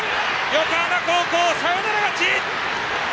横浜高校、サヨナラ勝ち！